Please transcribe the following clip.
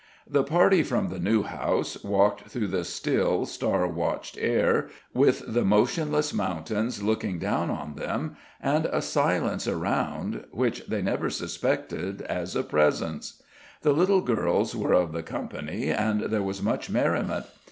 The party from the New House walked through the still, star watched air, with the motionless mountains looking down on them, and a silence around, which they never suspected as a presence. The little girls were of the company, and there was much merriment.